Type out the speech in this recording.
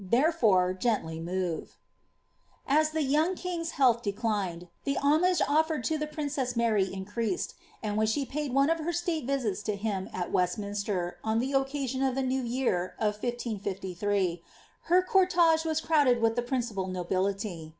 , ihereroca genlly ni As the young king's health declined, the homage oflered lo the princess Mary increased ; and when she paid one of her state visits lu him at Westminster, on occasion of the new year of I55!t, her cortege was crowded with the principal nobility.